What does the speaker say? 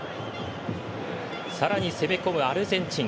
さらに攻め込むアルゼンチン。